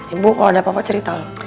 ibu kalo ada apa apa cerita lo